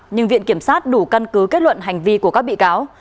nhưng viện kiểm sát đủ căn cứ kết luận hành vi của các bị cáo